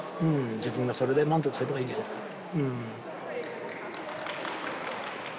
自分がそれで満足すればいいんじゃないすか。